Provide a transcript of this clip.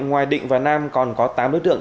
ngoài định và nam còn có tám đối tượng